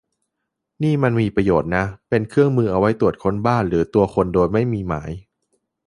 นี่มันมีประโยชน์นะ - เป็นเครื่องมือเอาไว้ตรวจค้นบ้านหรือตัวคนโดยไม่ต้องมีหมาย